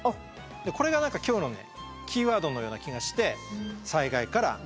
これが何か今日のねキーワードのような気がして。